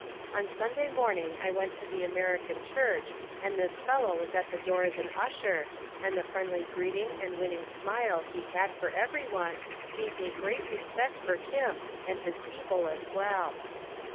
On Sunday morning I went to the American church and this fellow was at the door as an usher and the friendly greeting and winning smile he had for everyone gave me great respect for him and his people as well.